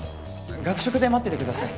学食で待っててください。